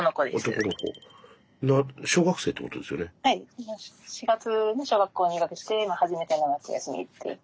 今４月に小学校入学して今初めての夏休みっていう。